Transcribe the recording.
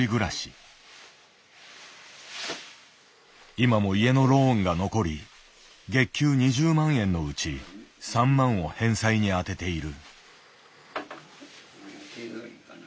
今も家のローンが残り月給２０万円のうち３万を返済に充てている。